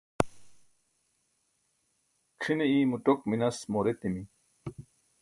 c̣ʰine imo ṭok minas moor etimi